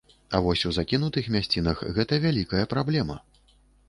А вось у закінутых мясцінах гэта вялікая праблема.